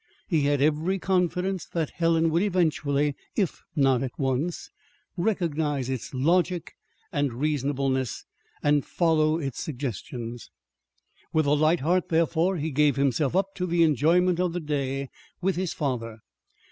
He had every confidence that Helen would eventually (if not at once) recognize its logic and reasonableness, and follow its suggestions. With a light heart, therefore, he gave himself up to the enjoyment of the day with his father.